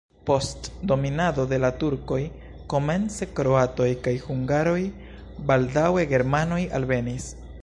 Post dominado de la turkoj komence kroatoj kaj hungaroj, baldaŭe germanoj alvenis.